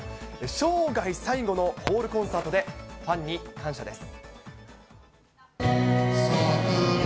生涯最後のホールコンサートでファンに感謝です。